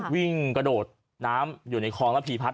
วิ่งกระโดดน้ำอยู่ในคลองแล้วผีพัด